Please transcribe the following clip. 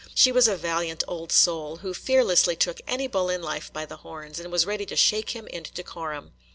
She was a valiant old soul, who fearlessly took any bull in life by the horns, and was ready to shake him into decorum.